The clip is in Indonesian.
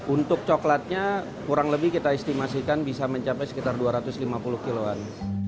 untuk coklatnya kurang lebih kita estimasikan bisa mencapai sekitar dua ratus lima puluh kiloan